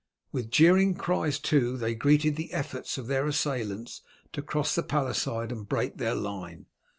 With jeering cries too they greeted the efforts of their assailants to cross the palisade and break their line.